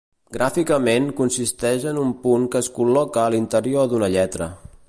Gràficament, consisteix en un punt que es col·loca a l'interior d'una lletra.